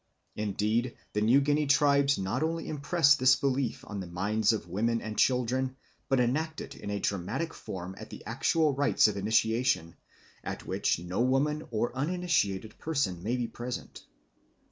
Indeed the New Guinea tribes not only impress this belief on the minds of women and children, but enact it in a dramatic form at the actual rites of initiation, at which no woman or uninitiated person may be present.